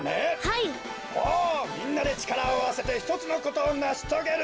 ほうみんなでちからをあわせてひとつのことをなしとげる。